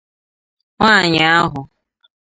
nwaayị ahụ